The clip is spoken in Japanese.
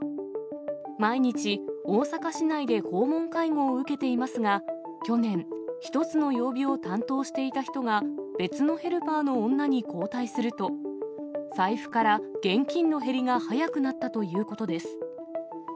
毎日、大阪市内で訪問介護を受けていますが、去年、１つの曜日を担当していた人が、別のヘルパーの女に交代すると、財布から現金の減りが早くなったということです。